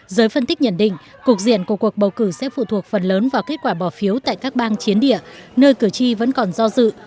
giới phân tích nhận định cục diện của cuộc bầu cử sẽ phụ thuộc phần lớn vào kết quả bỏ phiếu tại các bang chiến địa nơi cử tri vẫn còn do dự